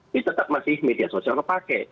ini tetap masih media sosial yang terpakai